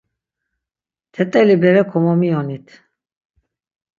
T̆et̆eli bere komomiyonit.